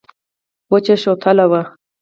وچه شوتله وه.